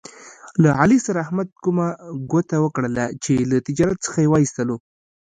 له علي سره احمد کومه ګوته وکړله، چې له تجارت څخه یې و ایستلا.